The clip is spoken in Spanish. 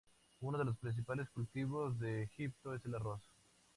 Uno de los principales cultivos de Egipto es el arroz.